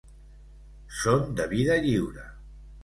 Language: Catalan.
Són de vida lliure.